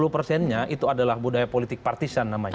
dua puluh persennya itu adalah budaya politik partisan namanya